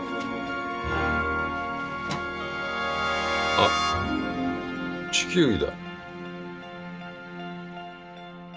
あっ地球儀だ。